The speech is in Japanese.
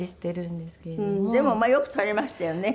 でもよく撮れましたよね。